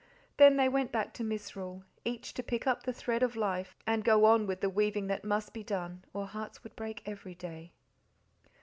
Then they went back to Misrule, each to pickup the thread of life and go on with the weaving that, thank God, must be done, or hearts would break every day.